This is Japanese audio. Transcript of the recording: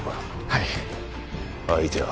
はい相手は？